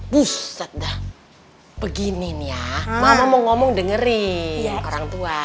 buset dah begini nih ya mama mau ngomong dengerin orang tua